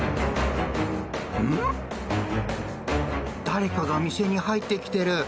誰かが店に入ってきている。